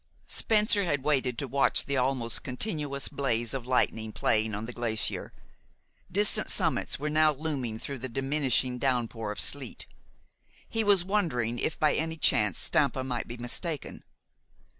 Spencer had waited to watch the almost continuous blaze of lightning playing on the glacier. Distant summits were now looming through the diminishing downpour of sleet. He was wondering if by any chance Stampa might be mistaken.